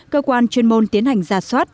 cơ quan chuyên môn tiến hành gia soát